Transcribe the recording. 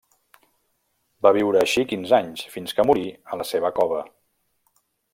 Va viure així quinze anys, fins que morí a la seva cova.